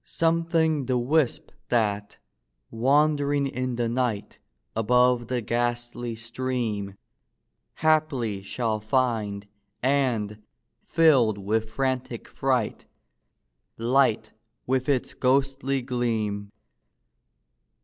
Something the wisp that, wandering in the night, Above the ghastly stream, Haply shall find; and, filled with frantic fright, Light with its ghostly gleam.